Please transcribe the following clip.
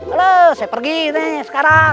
aduh saya pergi teh sekarang